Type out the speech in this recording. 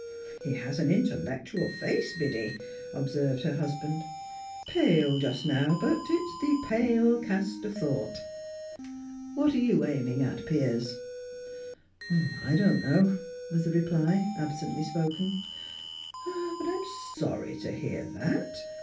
"He has an intellectual face, Biddy," observed her husband. "Pale just now, but it's 'the pale cast of thought.' What are you aiming at, Piers?" "I don't know," was the reply, absently spoken. "Ah, but I'm sorry to hear that.